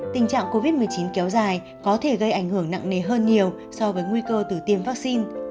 tình trạng covid một mươi chín kéo dài có thể gây ảnh hưởng nặng nề hơn nhiều so với nguy cơ tử tiêm vaccine